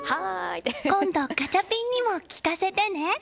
今度ガチャピンにも聞かせてね！